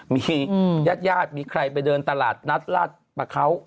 มีญาติญาติมีใครไปเดินตลาดนัดราชประเขา